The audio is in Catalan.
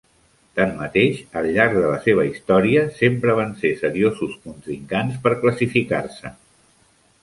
Tanmateix, al llarg de la seva història sempre van ser seriosos contrincants per classificar-se.